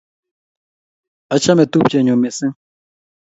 Achame tupchennyu missing'